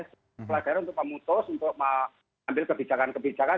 kepala daerah untuk pemutus untuk mengambil kebijakan kebijakan